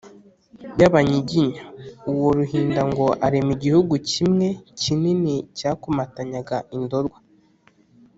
y’abanyiginya. uwo ruhinda ngo arema igihugu kimwe kinini cyakomatanyaga indorwa,